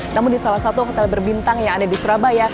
namun di salah satu hotel berbintang yang ada di surabaya